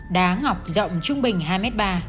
đá ngọc rộng trung bình hai m ba